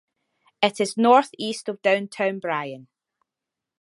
It is northeast of downtown Bryan.